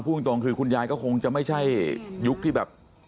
พูดตรงคือคุณยายก็คงจะไม่ใช่ยุคที่แบบ